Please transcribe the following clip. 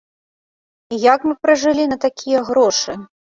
І як мы пражылі на такія грошы?